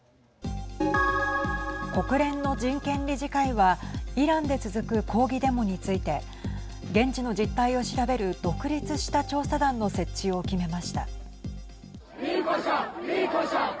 国連の人権理事会はイランで続く抗議デモについて現地の実態を調べる独立した調査団の設置を決めました。